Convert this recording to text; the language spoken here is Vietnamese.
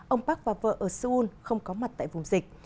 ông park và vợ ở seoul không có mặt tại vùng dịch